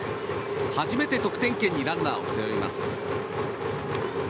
初めて得点圏にランナーを背負います。